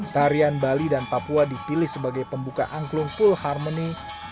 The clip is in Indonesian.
tarian bali dan papua dipilih sebagai pembuka angklung full harmony